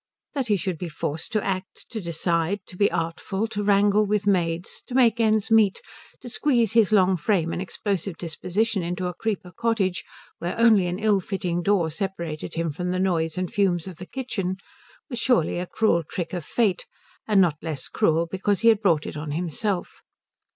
That he should be forced to act, to decide, to be artful, to wrangle with maids, to make ends meet, to squeeze his long frame and explosive disposition into a Creeper Cottage where only an ill fitting door separated him from the noise and fumes of the kitchen, was surely a cruel trick of Fate, and not less cruel because he had brought it on himself.